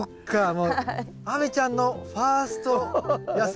もう亜美ちゃんのファースト野菜。